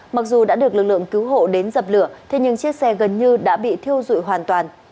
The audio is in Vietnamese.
mặc dù đã được lực lượng cứu hộ đến dập lửa thế nhưng chiếc xe gần như đã bị thiêu dụi hoàn toàn